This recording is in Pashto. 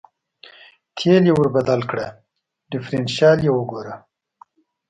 تېل یې ور بدل کړه، ډېفرېنشیال یې وګوره.